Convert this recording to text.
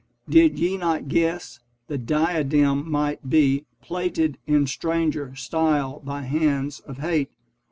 Did ye not guess ... the diadem might be Plaited in stranger style by hands of hate